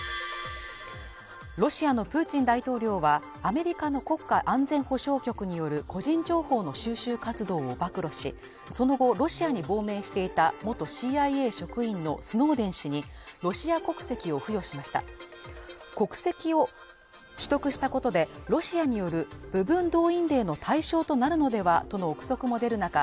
ロシアのプーチン大統領はアメリカの国家安全保障局による個人情報の収集活動を暴露しその後ロシアに亡命していた元ＣＩＡ職員のスノーデン氏にロシア国籍を付与しました国籍を取得したことでロシアによる部分動員令の対象となるのではとの臆測も出る中